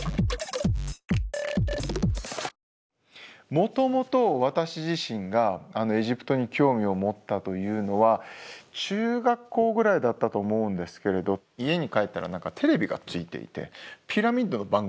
もともと私自身がエジプトに興味を持ったというのは中学校ぐらいだったと思うんですけれど家に帰ったら何かテレビがついていてピラミッドの番組やってたんですよ。